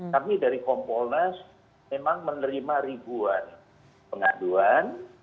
kami dari kompolnas memang menerima ribuan pengaduan